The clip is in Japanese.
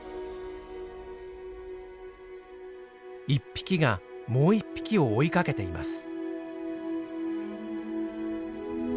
１匹がもう１匹を追いかけています。